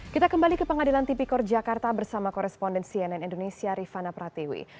kita kembali ke pengadilan tipikor jakarta bersama koresponden cnn indonesia rifana pratiwi